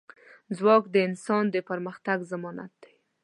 ځواک د انسان د پرمختګ ضمانت دی.